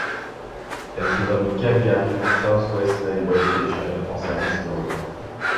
Elle se nomme Calgary Southwest Railway Station en service ferroviaire.